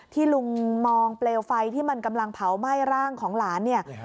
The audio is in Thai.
ที่ลุงมองเปลวไฟที่มันกำลังเผาไหม้ร่างของหลานเนี่ย